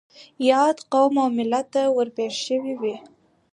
ياد قوم او ملت ته ور پېښ شوي وي.